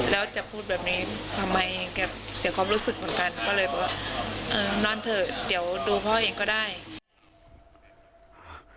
แล้วจะพูดแบบนี้ทำไมเสียความรู้สึกเหมือนกัน